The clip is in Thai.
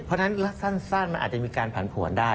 เพราะฉะนั้นสั้นมันอาจจะมีการผันผวนได้